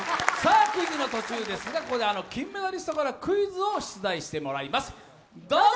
クイズの途中ですが、ここで金メダリストからクイズを出題してもらいます、どうぞ！